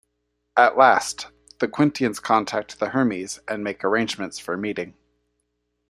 At last, the Quintans contact the "Hermes" and make arrangements for a meeting.